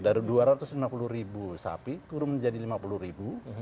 dari dua ratus lima puluh ribu sapi turun menjadi lima puluh ribu